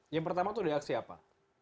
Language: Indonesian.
yang pertama tuh reaksi apa